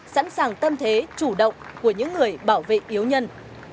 sẵn sàng tâm thế chủ động của những người bảo vệ yếu nhân